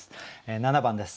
７番です。